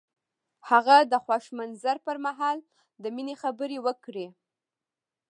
هغه د خوښ منظر پر مهال د مینې خبرې وکړې.